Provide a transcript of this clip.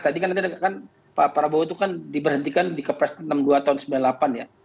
tadi kan nanti pak prabowo itu kan diberhentikan dikepres enam puluh dua tahun sembilan puluh delapan ya